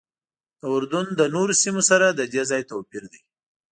د اردن له نورو سیمو سره ددې ځای توپیر دی.